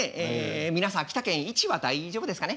皆さん秋田県位置は大丈夫ですかね？